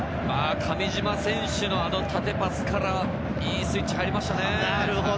上島選手の縦パスから、いいスイッチが入りましたね。